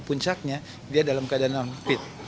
puncaknya dia dalam keadaan non fit